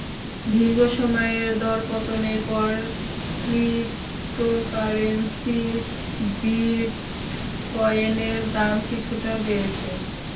দীর্ঘ সময়ের দরপতনের পর ক্রিপ্টোকারেন্সি বিটকয়েনের দাম কিছুটা বেড়েছে।